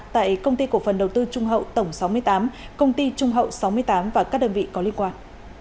tại công ty cổ phần đầu tư trung hậu tổng sáu mươi tám công ty trung hậu sáu mươi tám và các đơn vị có liên quan